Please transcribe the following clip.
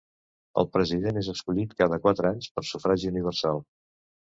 El president és escollit cada quatre anys per sufragi universal.